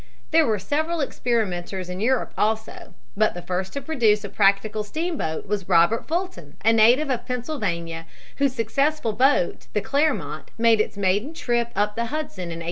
There were several experimenters in Europe also, but the first to produce a practical steamboat was Robert Fulton, a native of Pennsylvania, whose successful boat; the Clermont, made its maiden trip up the Hudson in 1807.